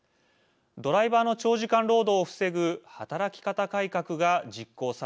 ドライバーの長時間労働を防ぐ働き方改革が実行されるからです。